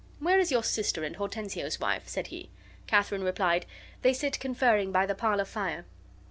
"Where is your sister and Hortensio's wife?" said he. Katharine replied, "They sit conferring by the parlor fire."